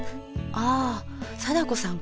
ああ貞子さん